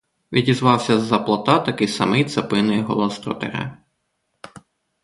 — відізвався з-за плота такий самий цапиний голос дротаря.